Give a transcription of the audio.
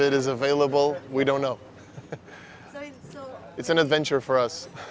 ini adalah penerimaan untuk kami